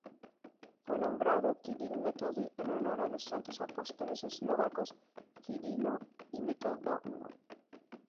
Fue nombrado Kiril-Metodi en honor a los santos apóstoles eslovacos Cirilo y Metodio.